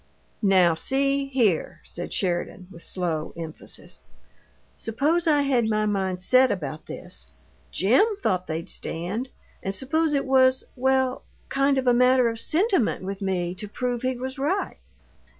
"Now, see here," said Sheridan, with slow emphasis; "suppose I had my mind set about this. JIM thought they'd stand, and suppose it was well, kind of a matter of sentiment with me to prove he was right."